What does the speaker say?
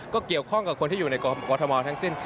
ก็เกี่ยวข้องกับคนที่อยู่ในกรทมทั้งสิ้น